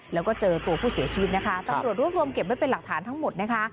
แล้วก็เจอตัวผู้เสียชีวิตนะคะตำรวจรวบรวมเก็บไว้เป็นหลักฐานทั้งหมดนะคะ